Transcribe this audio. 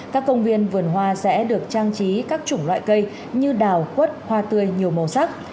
các công viên vườn hoa sẽ được trang trí các chủng loại cây như đào quất hoa tươi nhiều màu sắc